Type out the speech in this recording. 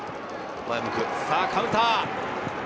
カウンター。